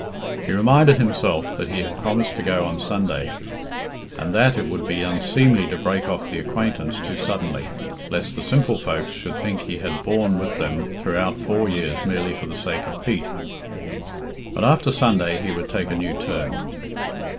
He reminded himself that he had promised to go on Sunday, and that it would be unseemly to break off the acquaintance too suddenly, lest the simple folks should think he had borne with them throughout four years merely for the sake of Pete. But after Sunday he would take a new turn.